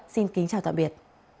xin kính chào tạm biệt